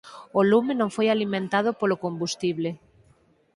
O lume non foi alimentado polo combustible.